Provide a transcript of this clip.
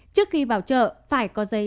trước khi vào chợ phải có giấy